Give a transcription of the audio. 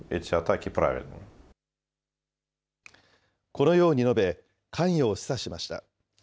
このように述べ、関与を示唆しました。